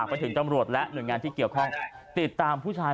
คุณยังมีลูกกับคุณยังมีเพื่อนสัมพันธ์กับผู้ชาย